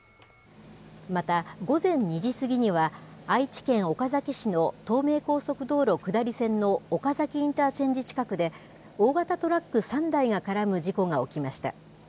また、午前２時過ぎには、愛知県岡崎市の東名高速道路下り線の岡崎インターチェンジ近くで、大型トラック３台が絡む事故が起きました。